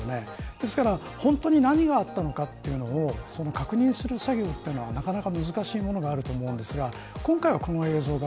ですから本当に何があったのかというのを確認する作業というのはなかなか難しいものがあると思うんですが今回はこの映像が。